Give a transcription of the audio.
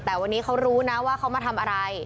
แต่วันนี้เขารู้นะว่าเขามาทำอะไร